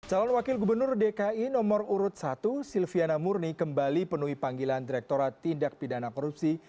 calon wakil gubernur dki nomor urut satu silviana murni kembali penuhi panggilan direkturat tindak pidana korupsi